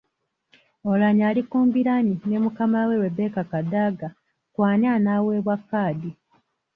Oulanyah ali ku mbiranye ne mukama we Rebecca Kadaga ku ani anaaweebwa kkaadi.